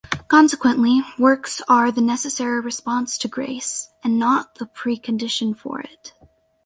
Consequently, works are the necessary response to grace and not the precondition for it.